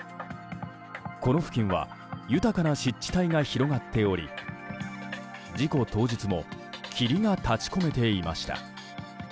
この付近は豊かな湿地帯が広がっており事故当日も霧が立ち込めていました。